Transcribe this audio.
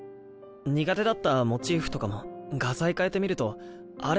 苦手だったモチーフとかも画材替えてみるとあれ？